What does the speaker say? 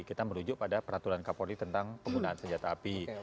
kita merujuk pada peraturan kapolri tentang penggunaan senjata api